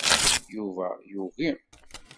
Yuba yugi.